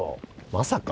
まさか？